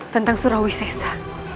tentang surawi sesa